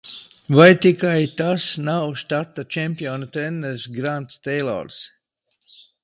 Vai tikai tas nav štata čempionu treneris Grants Teilors?